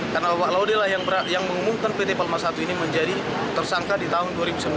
karena pak laude yang mengumumkan pt palma i ini menjadi tersangka di tahun dua ribu sembilan belas